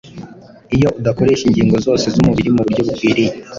iyo udakoresha ingingo zose z’umubiri mu buryo bukwiriye.